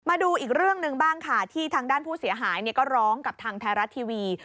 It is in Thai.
มาดูอีกเรื่องหนึ่งบ้างค่ะที่ทางด้านผู้เสียหายก็ร้องกับทางไทยรัฐทีวี